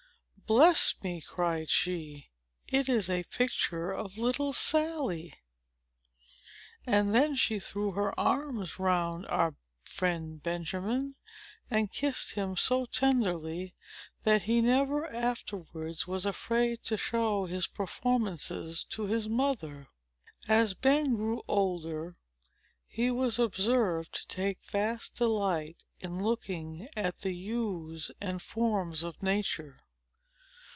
"Bless me!" cried she. "It is a picture of little Sally!" And then she threw her arms round our friend Benjamin, and kissed him so tenderly, that he never afterwards was afraid to show his performances to his mother. As Ben grew older, he was observed to take vast delight in looking at the hues and forms of nature.